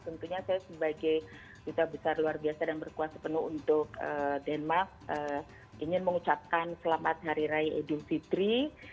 tentunya saya sebagai duta besar luar biasa dan berkuasa penuh untuk denmark ingin mengucapkan selamat hari raya idul fitri